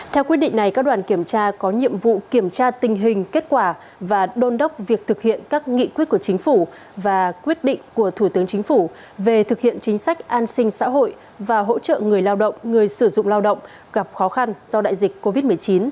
theo quyết định này các đoàn kiểm tra có nhiệm vụ kiểm tra tình hình kết quả và đôn đốc việc thực hiện các nghị quyết của chính phủ và quyết định của thủ tướng chính phủ về thực hiện chính sách an sinh xã hội và hỗ trợ người lao động người sử dụng lao động gặp khó khăn do đại dịch covid một mươi chín